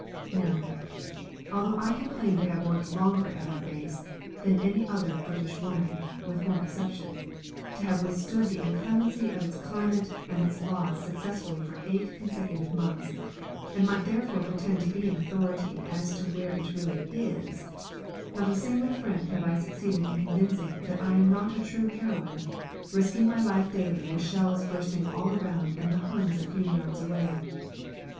Now, although I can claim to have worked longer at our Base than any other British woman (with one exception), to have withstood the inclemency of its climate and its laws successfully for eight consecutive months, and might therefore pretend to be an authority as to where it really is, not a single friend have I succeeded in convincing that I am not a true heroine risking my life daily with shells bursting all around and the Huns a few yards away.